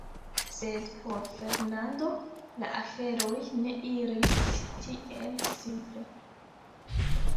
Sed por Fernando la aferoj ne iris tiel simple.